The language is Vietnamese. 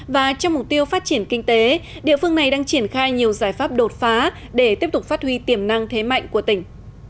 và trong mục tiêu phát triển kinh tế địa phương này đang triển khai nhiều giải pháp đột phá để tiếp tục phát huy tiềm năng thế mạnh của tỉnh